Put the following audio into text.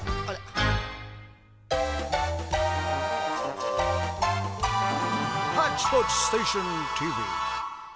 「ハッチポッチステーションＴＶ」。